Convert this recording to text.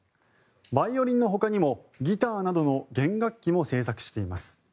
バイオリンのほかにもギターなどの弦楽器を製作しています。